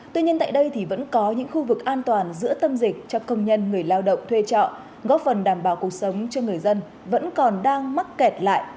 tuy nhiên tại đây thì vẫn có những khu vực an toàn giữa tâm dịch cho công nhân người lao động thuê trọ góp phần đảm bảo cuộc sống cho người dân vẫn còn đang mắc kẹt lại